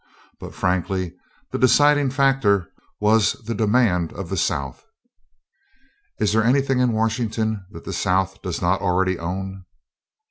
But, frankly, the deciding factor was the demand of the South." "Is there anything in Washington that the South does not already own?"